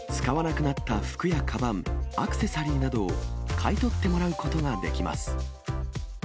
使わなくなった服やかばん、アクセサリーなどを買い取ってもらうことができます。